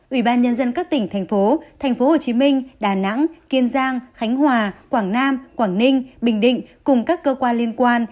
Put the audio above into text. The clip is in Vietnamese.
ủy ban nhân dân các tỉnh thành phố thành phố hồ chí minh đà nẵng kiên giang khánh hòa quảng nam quảng ninh bình định cùng các cơ quan liên quan